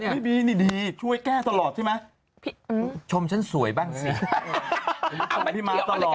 พี่มีนี่ดีช่วยแก้สลอดใช่ไหม